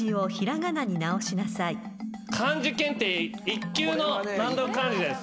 漢字検定１級の難読漢字です。